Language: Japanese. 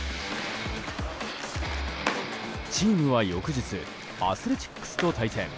チームは翌日アスレチックスと対戦。